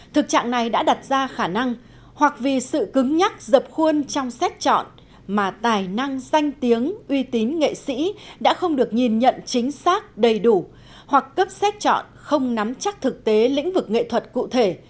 thực trạng này đã đặt ra khả năng hoặc vì sự cứng nhắc dập khuôn trong sách chọn mà tài năng danh tiếng uy tín nghệ sĩ đã không được nhìn nhận chính xác đầy đủ hoặc cấp xét chọn không nắm chắc thực tế lĩnh vực nghệ thuật cụ thể